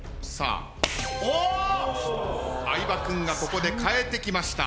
相葉君がここでかえてきました。